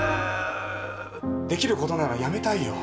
できることならやめたいよ。